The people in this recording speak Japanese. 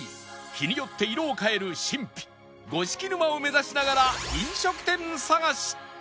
日によって色を変える神秘五色沼を目指しながら飲食店探し！